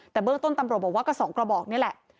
แต่เบื้องต้นตำรวจบอกว่าก็๒กระบอกนี่แหละ